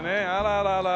あらららら。